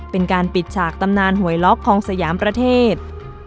เป็นการปิดฉากตำนานหวยล็อกของสยามประเทศ